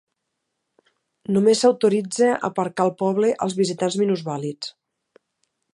Només s'autoritza aparcar al poble als visitants minusvàlids.